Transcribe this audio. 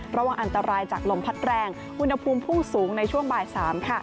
ระวังอันตรายจากลมพัดแรงอุณหภูมิพุ่งสูงในช่วงบ่าย๓